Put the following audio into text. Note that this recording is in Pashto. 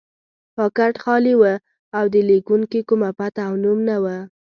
پاکټ خالي و او د لېږونکي کومه پته او نوم نه و.